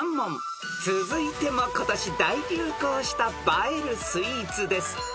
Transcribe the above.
［続いても今年大流行した映えるスイーツです］